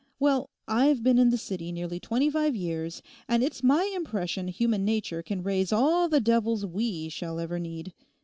Well, I've been in the City nearly twenty five years, and it's my impression human nature can raise all the devils we shall ever need.